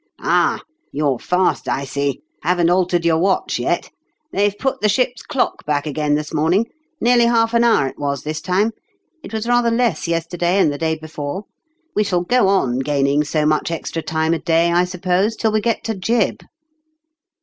" Ah ! you're fast, I see. Haven't altered your watch yet ? They've put the ship's clock back again this morning ; nearly half an hour it was this time it was rather less yesterday and the day before : we shall go on gaining so much extra time a day, I suppose, till we get to Gib."